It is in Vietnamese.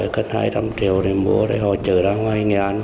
cân hai trăm linh triệu mua họ chở ra ngoài nghệ an